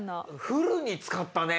フルに使ったね！